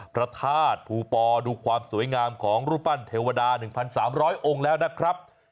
พระธาตุภูปอดูความสวยงามของรูปปั้นเทวดา๑๓๐๐องค์แล้วนะครับ